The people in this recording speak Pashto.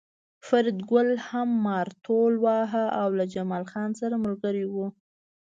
فریدګل هم مارتول واهه او له جمال خان سره ملګری و